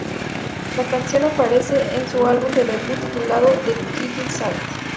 La canción aparece en su álbum de debut, titulado The Kick Inside.